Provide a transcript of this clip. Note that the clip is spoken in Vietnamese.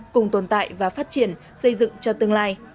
cùng tồn tại và phát triển xây dựng cho tương lai